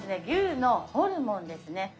牛のホルモンですね。